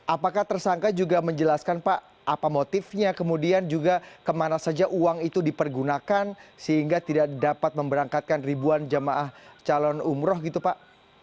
apakah tersangka juga menjelaskan pak apa motifnya kemudian juga kemana saja uang itu dipergunakan sehingga tidak dapat memberangkatkan ribuan jamaah calon umroh gitu pak